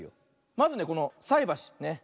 まずねこのさいばし。